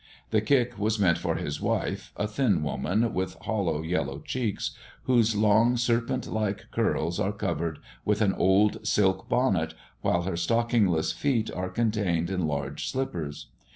The kick was meant for his wife, a thin woman, with hollow yellow cheeks, whose long serpent like curls are covered with an old silk bonnet, while her stockingless feet are contained in large slippers.